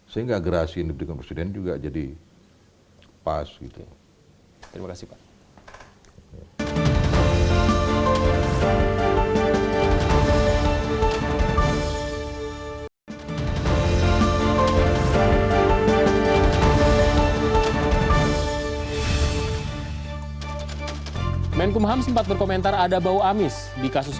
sehingga agresi yang diberikan presiden juga jadi pas gitu